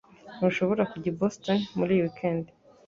Ntushobora kujya i Boston muri iyi weekend